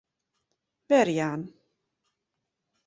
Werjaan.